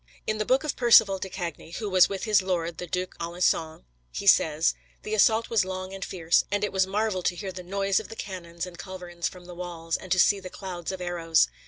In the book of Perceval de Cagny, who was with his lord, the Duc d'Alençon, he says: "The assault was long and fierce, and it was marvel to hear the noise of the cannons and culverins from the walls, and to see the clouds of arrows.